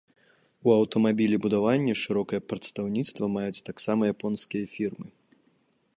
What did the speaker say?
У аўтамабілебудаванні шырокае прадстаўніцтва маюць таксама японскія фірмы.